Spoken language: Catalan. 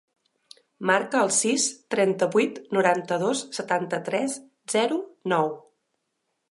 Marca el sis, trenta-vuit, noranta-dos, setanta-tres, zero, nou.